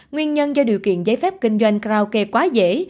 nguyên nhân do điều kiện giấy phép kinh doanh karaoke quá dễ